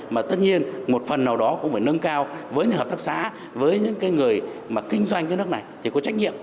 mà tất nhiên một phần nào đó cũng phải nâng cao với những hợp tác xã với những người kinh doanh đất đất này thì có trách nhiệm